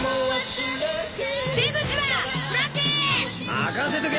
任せとけ！